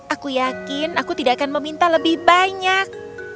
aku yakin aku tidak akan meminta lebih banyak